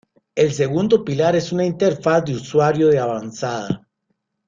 El segundo pilar es una interfaz de usuario de avanzada.